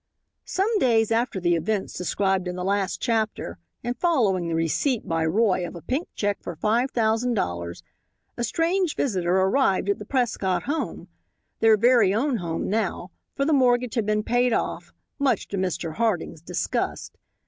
Some days after the events described in the last chapter, and following the receipt by Roy of a pink check for $5,000.00, a strange visitor arrived at the Prescott home their very own home now, for the mortgage had been paid off, much to Mr. Harding's disgust.